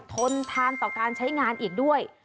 ทนทานต่อการใช้งานอีกด้วย